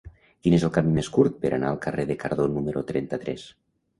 Quin és el camí més curt per anar al carrer de Cardó número trenta-tres?